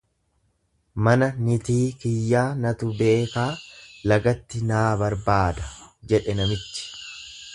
Mana nitii kiyyaa natu beekaa lagatti naa barbaada jedhe namichi.